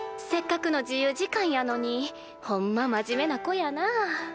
せっかくの自由時間やのにほんま真面目な子やな。